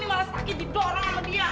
malah sakit jadwal orang sama dia